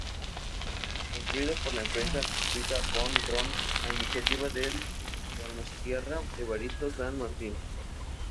Construido por la empresa suiza Von Ron a iniciativa del donostiarra Evaristo San Martín.